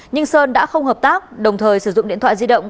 nhưng sơn đã không hợp tác đồng thời sử dụng điện thoại di động